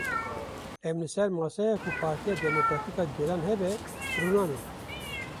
Em li ser maseya ku Partiya Demokratîk a Gelan hebe, rûnanin.